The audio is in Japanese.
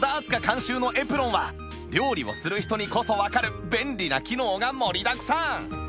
監修のエプロンは料理をする人にこそわかる便利な機能が盛りだくさん！